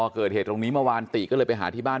เกิดเหตุตรงนี้เมื่อวานติก็เลยไปหาที่บ้าน